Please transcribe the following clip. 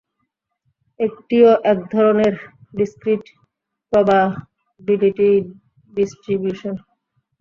এটিও একধরণের discrete probability distribution.